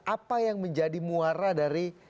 apa yang menjadi muara dari